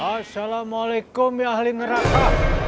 assalamualaikum ya ahli neraka